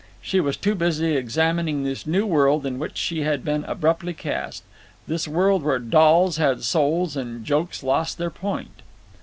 She was too busy examining this new world into which she had been abruptly cast, this world where dolls had souls and jokes lost their point.